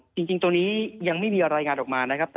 จริงตรงนี้ยังไม่มีรายงานออกมานะครับ